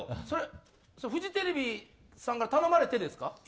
それは、フジテレビさんから頼まれてですか？